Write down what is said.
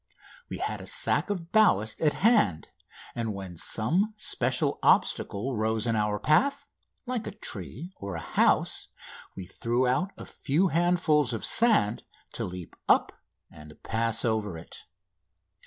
We had a sack of ballast at hand, and when some special obstacle rose in our path, like a tree or a house, we threw out a few handfuls of sand to leap up and pass over it.